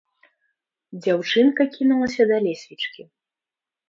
Дзяўчынка кінулася да лесвічкі.